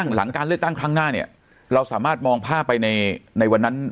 หลังการเลือกตั้งครั้งหน้าเนี่ยเราสามารถมองภาพไปในวันนั้น